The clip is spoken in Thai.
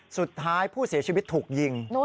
สุดท้ายผู้เสียชีวิตถูกยิง